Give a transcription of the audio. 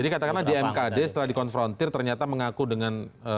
jadi katakanlah di mkd setelah dikonfrontir ternyata mengaku dengan